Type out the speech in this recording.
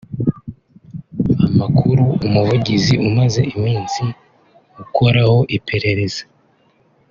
Amakuru Umuvugizi umaze iminsi ukoraho iperereza